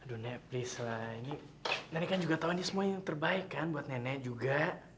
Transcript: dunia please lah ini nenek kan juga tahun ini semua yang terbaik kan buat nenek juga